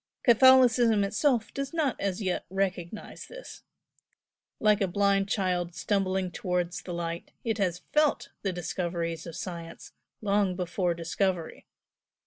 Catholicism itself does not as yet recognise this. Like a blind child stumbling towards the light it has FELT the discoveries of science long before discovery.